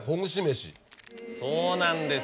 そうなんです。